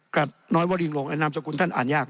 กับน้อยวรีงโหลงแอนามสกุลท่านอ่านยาก